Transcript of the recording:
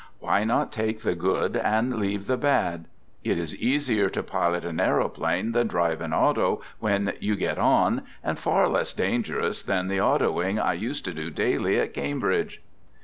... Why not take the good and leave the bad ? It is easier to pilot an aeroplane than drive an auto when you get on, and far less dangerous than the autoing I used to do daily at Cambridge.